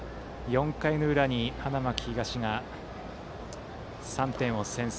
４回の裏に花巻東が３点を先制。